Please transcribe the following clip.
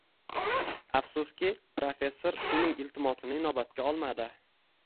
Afsuski, professor uning iltimosini inobatga olmadi